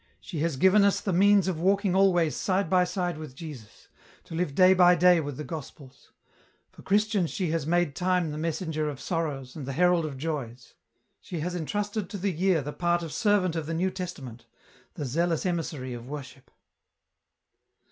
She has given us the means of walking always side by side with Jesus, to live day by day with the Gospels ; for Christians she has made time the messenger of sorrows and the herald of joys ; she has entrusted to the year the part of servant of the New Testament, the zealous emissary of worship."